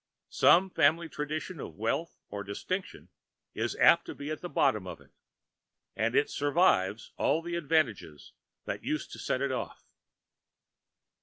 Some family tradition of wealth or distinction is apt to be at the bottom of it, and it survives all the advantages that used to set it off.